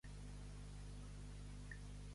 Els de Bonestarre, campaners.